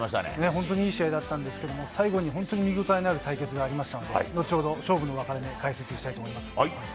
本当にいい試合だったんですけれども、最後に本当に見応えのある対決がありましたので、後ほど勝負の分かれ目、解説したいと思います。